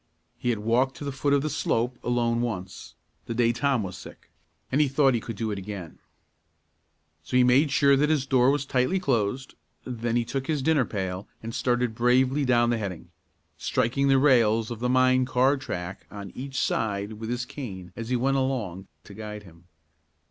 He had walked to the foot of the slope alone once, the day Tom was sick, and he thought he could do it again. So he made sure that his door was tightly closed, then he took his dinner pail, and started bravely down the heading, striking the rails of the mine car track on each side with his cane as he went along, to guide him.